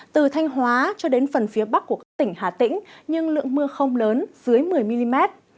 từ thanh hóa cho đến phần phía bắc của các tỉnh hà tĩnh nhưng lượng mưa không lớn dưới một mươi mm